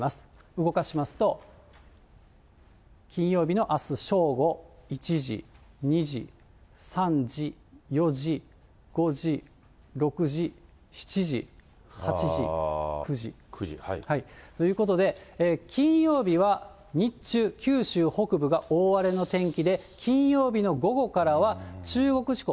動かしますと、金曜日のあす正午、１時、２時、３時、４時、５時、６時、７時、８時、９時。ということで、金曜日は日中、九州北部が大荒れの天気で、金曜日の午後からは、中国地方。